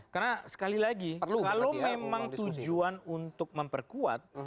karena sekali lagi kalau memang tujuan untuk memperkuat